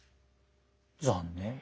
残念。